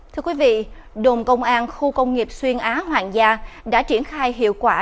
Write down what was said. thưa quý vị đồn công an khu công nghiệp xuyên á hoàng gia đã triển khai hiệu quả